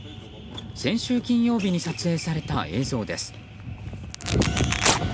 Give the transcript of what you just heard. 先週金曜日に撮影された映像です。